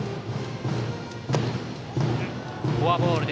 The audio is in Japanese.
フォアボール。